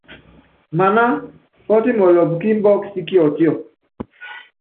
Maná pɔ́timɔlɔpɔ́ kí imbɔ́kɔ sí Kiɔtíɔ.